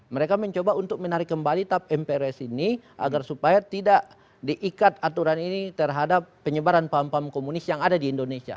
mereka mencoba untuk menarik kembali tap mprs ini agar supaya tidak diikat aturan ini terhadap penyebaran paham paham komunis yang ada di indonesia